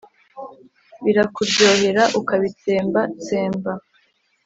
Birakuryohera ukabitsemba, tsemba